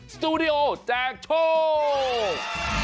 สตูดิโอแจกโชค